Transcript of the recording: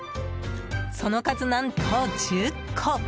その数、何と１０個。